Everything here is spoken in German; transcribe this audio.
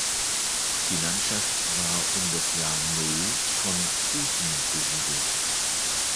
Die Landschaft war um das Jahr Null von Prußen besiedelt.